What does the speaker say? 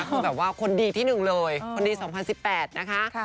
คือแบบว่าคนดีที่๑เลยคนดี๒๐๑๘นะคะ